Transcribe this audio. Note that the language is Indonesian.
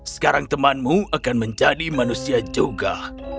sekarang temanmu akan menjadi manusia juga